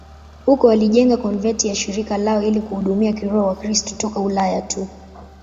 Huko walijenga konventi ya shirika lao ili kuhudumia kiroho Wakristo toka Ulaya tu.